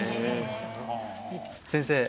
先生。